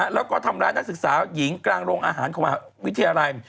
แล้วก็ทำร้ายนักศึกษาหญิงกลางโรงอาหารของมหาวิทยาลัย